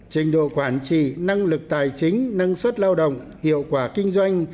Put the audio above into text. trình độ quản trị năng lực tài chính năng suất lao động hiệu quả kinh doanh